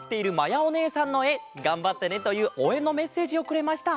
「がんばってね」というおうえんのメッセージをくれました。